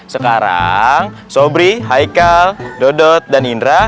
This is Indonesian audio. sekarang sobri haikal dodot dan indra